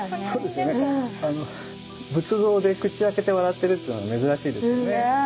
仏像で口開けて笑ってるっていうのは珍しいですよね。